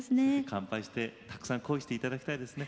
乾杯してたくさん恋していただきたいですね。